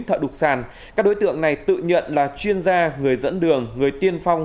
thợ đục sàn các đối tượng này tự nhận là chuyên gia người dẫn đường người tiên phong